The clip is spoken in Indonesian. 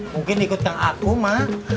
mungkin ikutin aku ma